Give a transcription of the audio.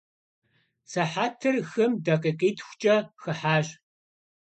Sıhetır xım dakhikhitxuç'e xıhaş.